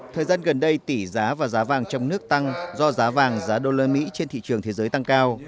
thời gian gần đây tỷ giá và giá vàng trong nước tăng do giá vàng giá đô la mỹ trên thị trường thế giới tăng cao